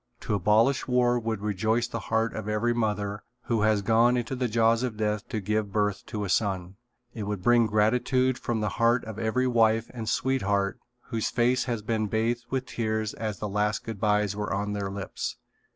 To abolish war would rejoice the heart of every mother who has gone into the jaws of death to give birth to a son. It would bring gratitude from the heart of every wife and sweetheart whose face has been bathed with tears as the last good bys were on their lips.